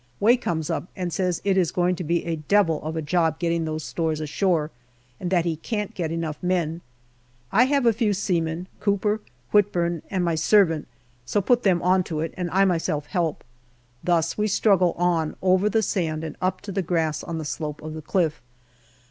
Way comes up and says it is going to be a devil of a job getting those stores ashore, and that he can't get enough men. I have a few seamen, Cooper, Whitbourn, and my servant, so put them on to it, and I myself help. Thus we struggle on over the sand and up to the grass on the slope of the cliff.